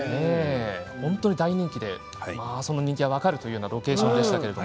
本当に大人気でその人気が分かるというようなロケーションでした。